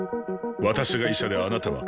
私が医者であなたは患者。